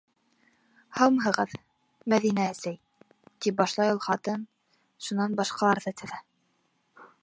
«һаумыһығыҙ, Мәҙинә әсәй!» - тип башлай ул хатын, шунан башҡаларҙы теҙә.